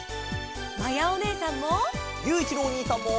まやおねえさんも！